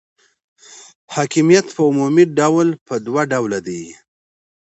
حاکمیت په عمومي ډول په دوه ډوله دی.